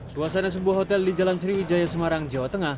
suasana sebuah hotel di jalan sriwijaya semarang jawa tengah